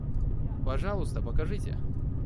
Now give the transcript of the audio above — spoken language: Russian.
Пожалуйста, покажите.